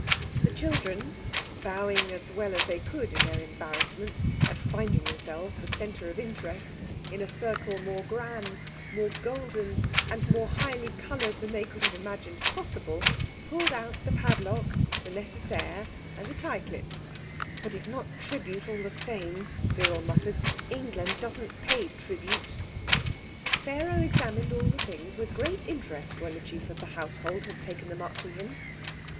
The children, bowing as well as they could in their embarrassment at finding themselves the centre of interest in a circle more grand, more golden and more highly coloured than they could have imagined possible, pulled out the padlock, the Nécessaire, and the tie clip. "But it's not tribute all the same," Cyril muttered. "England doesn't pay tribute!" Pharaoh examined all the things with great interest when the chief of the household had taken them up to him.